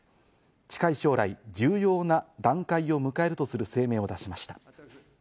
近い将来、重要な段階を迎えるとする声明を出しました。